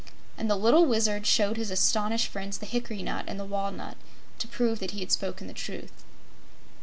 And the little Wizard showed his astonished friends the hickory nut and the walnut to prove that he had spoken the truth.